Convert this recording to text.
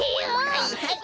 はいはい。